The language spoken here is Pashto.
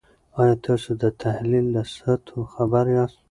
آیا تاسو د تحلیل له سطحو خبر یاست؟